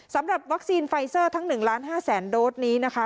สำหรับวัคซีนไฟเซอร์ทั้ง๑ล้าน๕แสนโดสนี้นะคะ